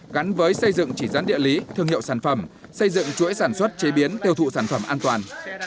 gắn với xây dựng chỉ dẫn địa lý thương hiệu sản phẩm xây dựng chuỗi sản xuất chế biến tiêu thụ sản phẩm an toàn